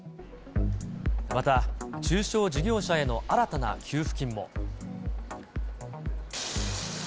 また、中小事業者への新たな給付金も。